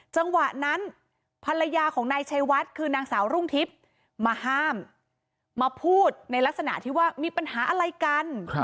จังหวะนั้นภรรยาของนายชัยวัดคือนางสาวรุ่งทิพย์มาห้ามมาพูดในลักษณะที่ว่ามีปัญหาอะไรกัน